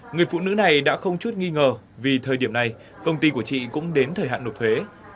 người phụ nữ này đã không chút nghi ngờ vì thời điểm này công ty của chị cũng đến thời hạn nộp thuế